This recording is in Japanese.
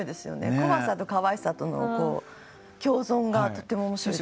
怖さとかわいさとの共存がとっても面白いです。